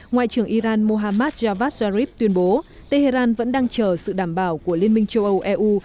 ngoại trưởng iran mohammad javad zarif tuyên bố tehran vẫn đang chờ sự đảm bảo của liên minh châu âu eu